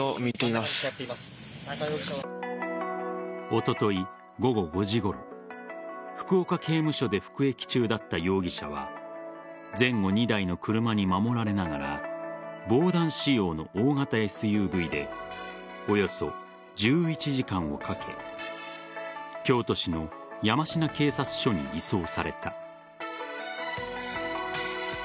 おととい午後５時ごろ福岡刑務所で服役中だった容疑者は前後２台の車に守られながら防弾仕様の大型ＳＵＶでおよそ１１時間をかけ京都市の山科警察署に移送された。